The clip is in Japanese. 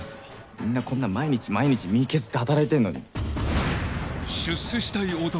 みんなこんな毎日毎日身削って働いてるのに。